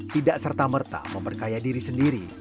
tidak serta merta memperkaya diri sendiri